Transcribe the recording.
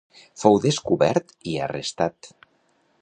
Fou descobert i arrestat.